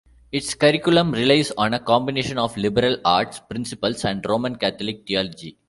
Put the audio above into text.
Its curriculum relies on a combination of liberal arts principles and Roman Catholic theology.